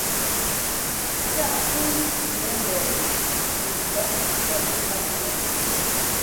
Taʼ kúu yɛ́ mbɛɛnɛ yɛcʉɔ pɔ yɛ́ pangɛ́.